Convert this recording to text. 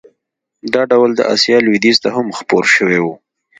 دا ډول د اسیا لوېدیځ ته هم خپور شوی و.